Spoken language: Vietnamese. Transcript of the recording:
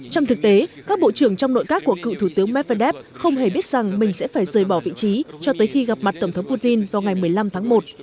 trong thực tế các bộ trưởng trong nội các của cựu thủ tướng medvedev không hề biết rằng mình sẽ phải rời bỏ vị trí cho tới khi gặp mặt tổng thống putin vào ngày một mươi năm tháng một